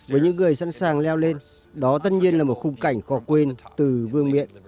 với những người sẵn sàng leo lên đó tất nhiên là một khung cảnh khó quên từ vương miện